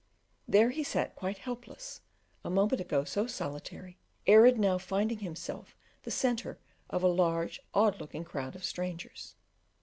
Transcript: There he sat quite helpless, a moment ago so solitary, arid now finding himself the centre of a large, odd looking crowd of strangers.